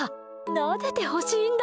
なでてほしいんだ！